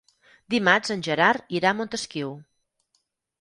Dimarts en Gerard irà a Montesquiu.